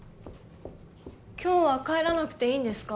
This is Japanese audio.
今日は帰らなくていいんですか？